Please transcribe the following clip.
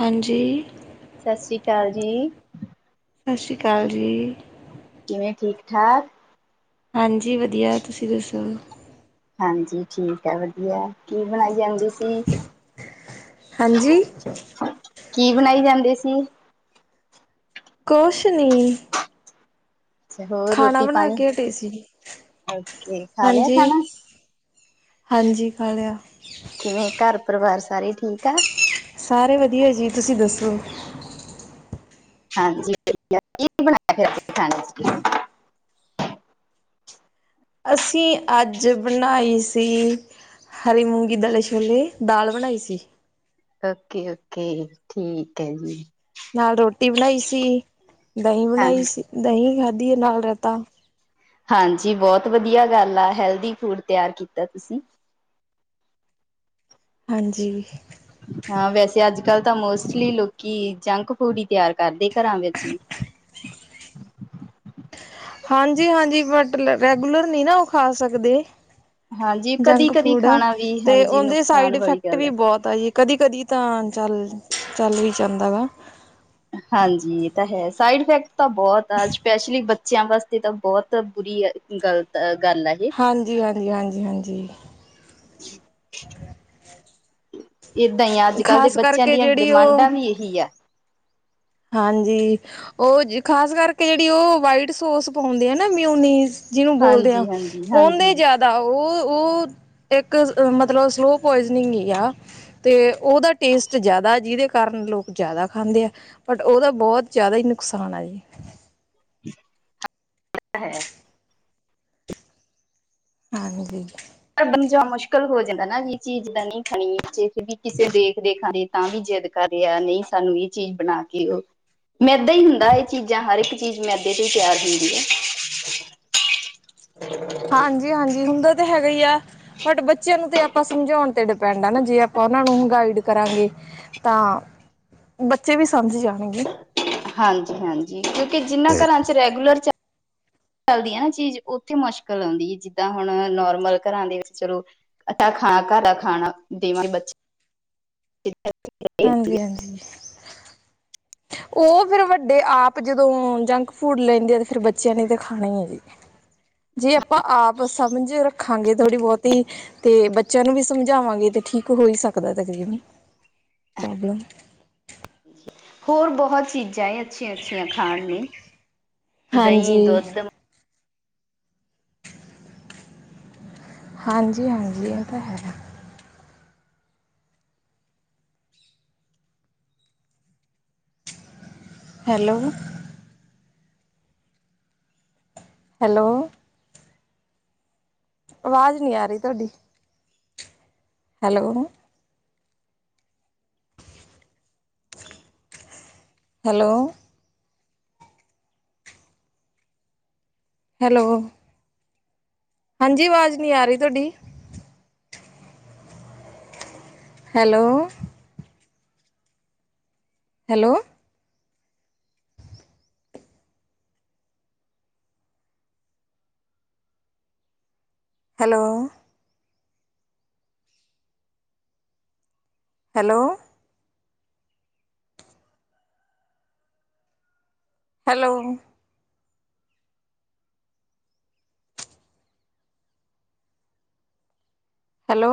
ਹਾਂਜੀ! ਸਤ ਸ੍ਰੀ ਅਕਾਲ ਜੀ। ਸਤ ਸ਼੍ਰੀ ਅਕਾਲ ਜੀ। ਕਿਂਵੇਂ, ਠੀਕ-ਠਾਕ? ਹਾਂਜੀ, ਵਧੀਆ। ਤੁਸੀ ਦੱਸੋ? ਹਾਂਜੀ ਠੀਕ ਐ, ਵਧੀਆ। ਕੀ, ਬਣਾਈ ਜਾਂਦੇ ਸੀ? ਹਾਂਜੀ! ਕੀ ਬਣਾਈ ਜਾਂਦੇ ਸੀ? ਕੋਸ਼ ਨੀ। ਅੱਛਾ ਹੋਰ ਖਾਣਾ ਰੋਟੀ ਪਾਣੀ ਬਣਾਕੇ ਹਟੀ ਸੀ, ਓਕੇ ਖਾ ਲਿਆ ਹਾਂਜੀ। ਖਾਣਾ ਹਾਂਜੀ, ਖਾਲਿਆ। ਕਿਵੇਂ, ਘਰ-ਪਰਿਵਾਰ ਸਾਰੇ ਠੀਕ ਆ? ਸਾਰੇ ਵਧੀਆ ਜੀ, ਤੁਸੀਂ ਦੱਸੋ? ਹਾਂਜੀ, ਵਧੀਆ। ਕੀ ਬਣਾਯਾ ਫੇਰ ਅੱਜ ਖਾਣੇ'ਚ? ਅਸੀਂ ਅੱਜ ਬਣਾਈ ਸੀ ਹਰੀ ਮੂੰਗੀ, ਦਲੇ ਛੋਲੇ, ਦਾਲ ਬਣਾਈ ਸੀ। ਓਕੇ-ਓਕੇ, ਠੀਕ ਹੈ ਜੀ। ਨਾਲ ਰ੍ਹੋਟੀ ਬਣਾਈ ਸੀ, ਦਹੀਂ ਹਾਂ ਬਣਾਈ ਸੀ, ਦਹੀਂ ਖਾਧੀ ਏ ਨਾਲ ਰੈਤਾ। ਹਾਂਜੀ, ਬਹੁਤ ਵਧੀਆ ਗੱਲ ਆ, ਹੈਲਦੀ ਫੂਡ ਤਿਆਰ ਕੀਤਾ ਤੁਸੀਂ। ਹਾਂਜੀ। ਹਾਂ, ਵੈਸੇ ਅੱਜ-ਕੱਲ ਤਾਂ ਮੋਸਟਲੀ ਲੋਕੀ, ਜੰਕ-ਫੂਡ ਹੀ ਤਿਆਰ ਕੱਰਦੇ। ਘਰਾਂ ਵਿੱਚ ਵੀ। ਹਾਂਜੀ-ਹਾਂਜੀ, ਬਟ, ਲੈਂ ਰੈਗੂਲਰ ਨਹੀਂ ਨਾ ਓਹ ਖਾ ਸਕਦੇ। ਹਾਂਜੀ ਕਦੀ-ਕਦੀ ਜੰਕ-ਫੂੜ, ਖਾਣਾ ਵੀ ਤੇ ਹਾਂਜੀ ਔੰਦੇ ਨੁਕਸਾਨ ਸਾਈਡ ਵਾਲੀ ਇਫੈਕਟ ਗੱਲ ਵੀ ਹੈ ਬੌਤ ਤਾ ਜੀ, ਕਦੀ-ਕਦੀ ਤਾਂ ਚੱਲ, ਚੱਲ ਵੀ ਜਾਂਦਾ ਵਾ। ਹਾਂਜੀ, ਇਹ ਤਾ ਹੈ, ਸਾਈਡ-ਇਫੈਕਟ ਤਾਂ ਬਹੁਤ ਆ, ਸਪੈਸ਼ਲੀ ਬੱ ਚਿਆਂ ਵਾਸਤੇ, ਤਾਂ ਬਹੁਤ ਬੁਰੀ, ਐ ਗਲਤ ਗੱਲ ਆ, ਇਹ। ਹਾਂਜੀ, ਹਾਂਜੀ, ਹਾਂਜੀ। ਜੀ। [inaudible] [unintelligible] ਇਹਦਾਂ ਹੀ ਆ, ਅੱਜ-ਕੱਲ ਦੇ ਖ਼ਾਸ ਬੱਚਿਆਂ ਕਰਕੇ ਦੀਆਂ, ਜਿਹੜੀ ਉਹ ਡਿਮਾਂਡਾਂ ਵੀ ਏਹੀ ਆ। ਹਾਂਜੀ! ਓਹ, ਖ਼ਾਸ ਕਰਕੇ ਜਿਹੜੀ ਓਹ ਵਾਈਟ ਸੋਸ ਪਾਉਂਦੇ ਆ, ਨਾ ਮਿਊਨੀਜ ਜਿਨੂੰ ਬੋਲਦੇ ਆਂ, ਹਾਂਜੀ-ਹਾਂਜੀ-ਹਾਂਜੀ ਓਂਦੇ ਜਾ ਦਾ, ਓਹ-ਓਹ ਇੱਕ, ਮਤਲਬ ਸਲੋ ਪੋਇਜਨੀਂਗ ਹੀ ਆ। ਤੇ, ਓਹਦਾ ਟੇਸਟ ਜਿਆਦਾ, ਜਿਦੇ ਕਾਰਨ ਲੋਕ ਜਿਆਦਾ ਖਾਂਦੇ ਆ। ਬਟ ਓਹਦਾ ਬਹੁਤ ਜਿਆਦਾ ਈ, ਨੁਕਸਾਨ ਆ ਜੀ। [inaudible] ਹੈ। ਹਾਂਜੀ। ਪਰ ਬੰਜਾ ਮੁਸ਼ਕਿਲ ਹੋ ਜਾਂਦਾ ਨਾ ਜੀ ਚੀਜ਼ ਦਨੀ ਖਣੀ ਵੀ ਕਿਸੇ ਦੇਖ ਦੇਖ ਦੇ ਤਾਂ ਵੀ ਜਿੱਦ ਕਰ ਰਿਆ, ਨਹੀਂ ਸਾਨੂੰ ਇਹ ਚੀਜ਼ ਬਣਾਕੇ ਓਹ, ਮੇਦਾ ਹੀ ਹੁੰਦਾ ਏਹ ਚੀਜ਼ਾਂ, ਹਰ ਇੱਕ ਚੀਜ਼ ਮੈਦੇ ਤੋਂ ਈ ਤਿਆਰ ਹੁੰਦੀ ਐ। ਹਾਂਜੀ ਹਾਂਜੀ, ਹੁੰਦਾ ਤਾਂ ਹੈਗਾ ਈ ਐ। ਬਟ ਬੱਚਿਆਂ ਨੂੰ ਤੇ ਅਪਾਂ ਸਮਝਾਣ ਤੇ ਡਿਪੈਂਡ ਆ ਨਾ ਜੇ ਆਪਾਂ ਔਨਾਂ ਨੂੰ ਗਾਈਡ ਕਰਾਂਗੇ। ਤਾਂ ਬੱਚੇ ਵੀ ਸਮਝ ਜਾਣਗੇ। ਹਾਂਜੀ ਹਾਂਜੀ, ਕਿਉਂਕਿ ਜਿੰਨਾਂ ਘਰਾਂ ਚ ਰੈਗੂਲਰ ਚ ਚੱਲਦੀ ਐ ਨਾ ਚੀਜ਼ ਔਥੇ ਮੋਸ਼ਕਿਲ ਔੰਦੀ ਏ, ਜਿੱਦਾਂ ਹੁਣ ਨੋਰਮਲ ਘਰਾਂ ਦੇ ਵਿੱਚ ਚਲੋ ਅਤਾ ਖਾ ਕਾ ਦਾ ਖਾਣਾ ਦੀਵੀ ਬੱਚ ਹਾਂਜੀ ਹਾਂਜੀ ਉਹ ਫਿਰ ਵੱਡੇ ਆਪ ਜਦੋਂ ਜੰਕ ਫੂਡ ਲੈਂਦੇ ਆ ਤੇ ਫਿਰ ਬੱਚਿਆਂ ਨੇ ਤਾਂ ਖਾਣਾ ਹੀ ਹੈ ਜੀ ਜੇ ਆਪਾਂ ਆਪ ਸਮਝ ਰੱਖਾਂਗੇ ਥੋੜੀ ਬਹੁਤੀ ਤੇ ਬੱਚਿਆਂ ਨੂੰ ਵੀ ਸਮਝਾਵਾਂਗੇ ਤੇ ਠੀਕ ਹੋ ਹੀ ਸਕਦਾ ਹੋਰ ਬਹੁਤ ਚੀਜ਼ਾਂ ਏ ਅੱਛੀਆਂ ਅੱਛੀਆਂ ਖਾਣ ਨੂੰ ਦਹੀਂ ਹਾਂਜੀ, ਦੁੱਧ ਹਾਂਜੀ ਹਾਂਜੀ ਇਹ ਤਾਂ ਹੈ ਹੈਲੋ ਹੈਲੋ ਆਵਾਜ਼ ਨਹੀਂ ਆ ਰਹੀ ਤੁਹਾਡੀ ਹੈਲੋ ਹੈਲੋ ਹੈਲੋ ਹਾਂਜੀ ਆਵਾਜ਼ ਨਹੀਂ ਆ ਰਹੀ ਤੁਹਾਡੀ hello hello hello hello hello hello